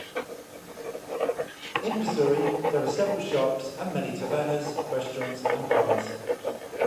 In Pissouri there are several shops, and many tavernas, restaurants and bars.